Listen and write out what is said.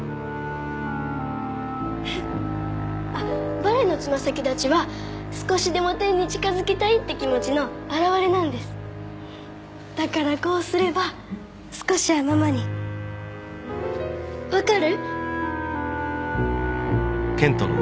バレエのつま先立ちは少しでも天に近づきたいって気持ちの表れなんですだからこうすれば少しはママに分かる？